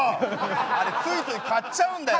あれついつい買っちゃうんだよ。